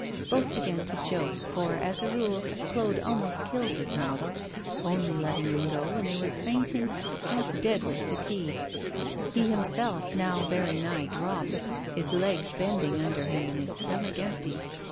Both began to joke, for, as a rule, Claude almost killed his models, only letting them go when they were fainting, half dead with fatigue. He himself now very nigh dropped, his legs bending under him, and his stomach empty.